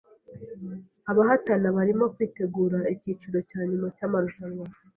Abahatana barimo kwitegura icyiciro cya nyuma cyamarushanwa.